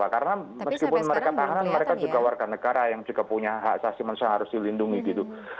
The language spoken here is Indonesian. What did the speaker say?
karena meskipun mereka tahanan mereka juga warga negara yang juga punya hak sasiman yang harus dilindungi gitu